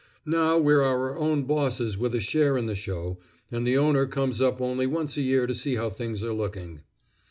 Now we're our own bosses with a share in the show, and the owner comes up only once a year to see how things are looking."